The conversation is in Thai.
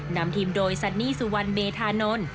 นำทีมโดยซันนี่สุวรรณเมธานนท์